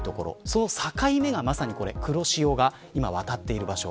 その境目がまさに黒潮が渡っている場所。